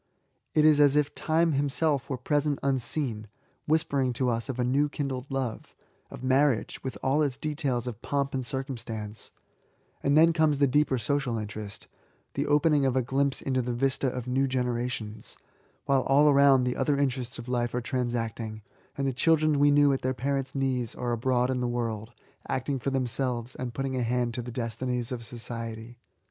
It is as if Time himself were present unseen, whispering to us of a new kindled love, — of marriage, with all its details of ^' pomp and circumstance ;'' and then comes the deeper social interest, — the opening of a glimpse into the vista of new generations, while all around the other interests of life are transacting, and the children we knew at their parents' knees are abroad in the world, acting for themselves, and putting a hand to the destinies of society.